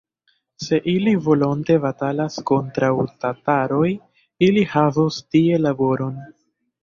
Se ili volonte batalas kontraŭ tataroj, ili havos tie laboron!